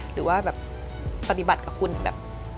หรือว่าแบบปฏิบัติกับคุณแบบ